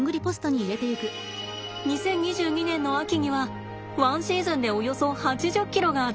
２０２２年の秋にはワンシーズンでおよそ８０ｋｇが集まったんだって。